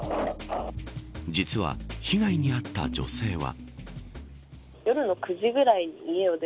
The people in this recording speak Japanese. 実は被害に遭った女性は。